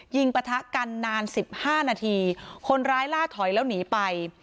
ยิงปะทะกันนาน๑๕นาทีคนร้ายล่าถอยแล้วหนีไป